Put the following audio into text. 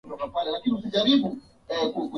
aa hapo nchini kenya bila shaka